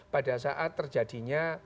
pada saat terjadinya